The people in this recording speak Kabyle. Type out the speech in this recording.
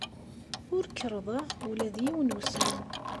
Ur kerrḍeɣ ula d yiwen n weslem.